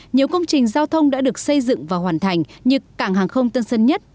nhiều công trình giao thông đã được xây dựng và hoàn thành như cảng hàng không tân sơn nhất